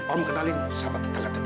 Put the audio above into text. om kenalin sama tetangga tetangga